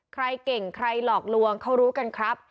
ใครเก่งใครหลอกลวงเขารู้กันครับ